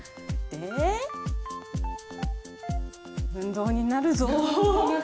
運動になるぞ。